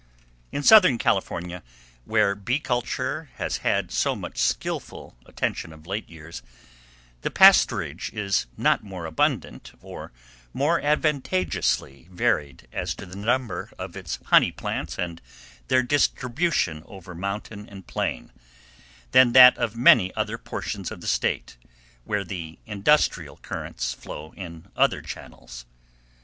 In Southern California, where bee culture has had so much skilful attention of late years, the pasturage is not more abundant, or more advantageously varied as to the number of its honey plants and their distribution over mountain and plain, than that of many other portions of the State where the industrial currents flow in other channels.